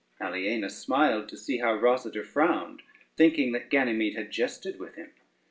Aliena smiled to see how Rosader frowned, thinking that Ganymede had jested with him.